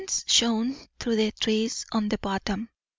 "] Tents shone through the trees on the bottom.